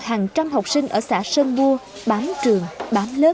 hàng trăm học sinh ở xã sơn mua bám trường bám lớp